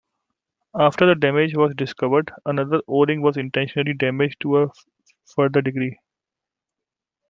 After the damage was discovered, another O-ring was intentionally damaged to a further degree.